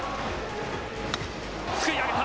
すくい上げた。